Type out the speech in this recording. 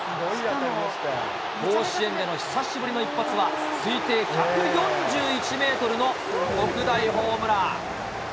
甲子園での久しぶりの一発は、推定１４１メートルの特大ホームラン。